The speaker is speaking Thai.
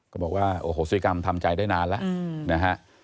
ก็บอกว่าโอ้โหสิกรรมทำใจได้นานแล้วนะฮะ